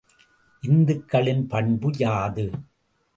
இத்துகள்களின் பண்பு யாது?